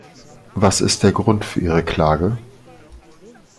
Was ist der Grund für ihre Klage?